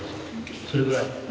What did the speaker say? それぐらい。